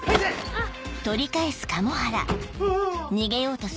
あっ！